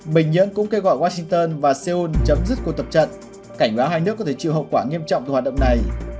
bình nhưỡng cũng kêu gọi washington và seoul chấm dứt cuộc tập trận cảnh báo hai nước có thể chịu hậu quả nghiêm trọng từ hoạt động này